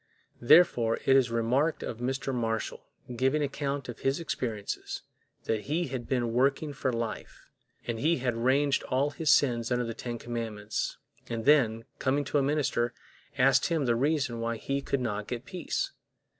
Therefore it is remarked of Mr. Marshall, giving account of his experiences, that he had been working for life, and he had ranged all his sins under the ten commandments, and then, coming to a minister, asked him the reason why he could not get peace.